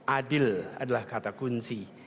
adil adalah kata kunci